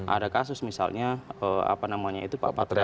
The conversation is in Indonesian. ada kasus misalnya apa namanya itu pak patra sakhbar